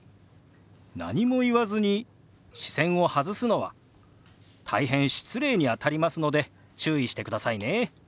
何も言わずに視線を外すのは大変失礼にあたりますので注意してくださいね。